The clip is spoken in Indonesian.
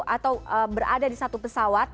atau berada di satu pesawat